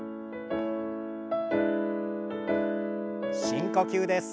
深呼吸です。